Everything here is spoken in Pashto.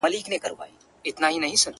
که بل څوک پر تا مین وي د خپل ځان لري غوښتنه-